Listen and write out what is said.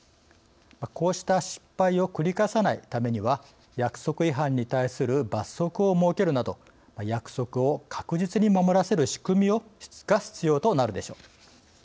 こうした失敗を繰り返さないためには約束違反に対する罰則を設けるなど約束を確実に守らせる仕組みが必要となるでしょう。